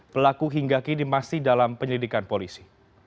pelaku hingga kini masih dalam penyelidikan polisi